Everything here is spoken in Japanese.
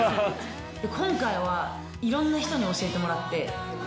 今回は、いろんな人に教えてもらって。